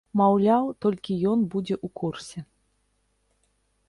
Маўляў, толькі ён будзе ў курсе.